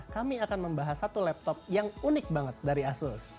kami akan membahas satu laptop yang unik banget dari asus